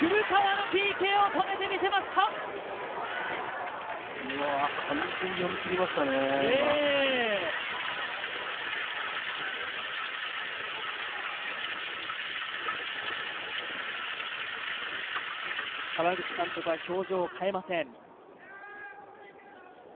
川口監督は表情を変えません。